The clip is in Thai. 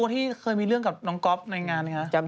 ที่เคยมีเรื่องกับน้องก๊อฟในงานคะ